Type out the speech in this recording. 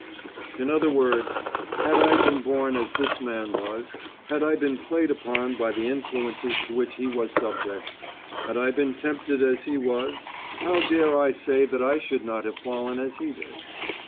In other words, had I been born as this man was, had I been played upon by the influences to which he was subject, had I been tempted as he was, how dare I say that I should not have fallen as he did?